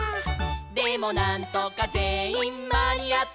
「でもなんとかぜんいんまにあって」